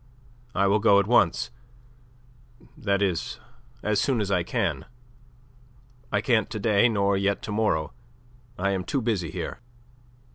I will go at once that is, as soon as I can. I can't to day, nor yet to morrow. I am too busy here."